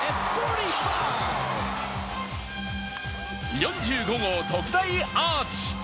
４５号特大アーチ。